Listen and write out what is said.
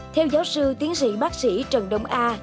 theo giáo sư tiến sĩ bác sĩ trần đống a